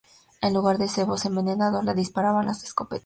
En lugar de cebos envenenados, les disparaban con escopetas.